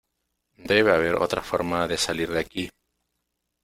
Debe haber otra forma de salir de aquí.